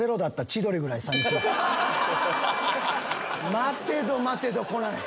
待てど待てど来ない。